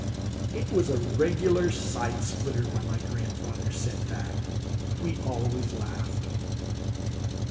It was a regular side splitter. When my grandfather said that we always laughed.